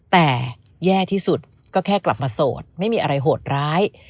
แต่แย่ที่สุดก็แค่กลับมาโสดไม่มีอะไรโหดร้าย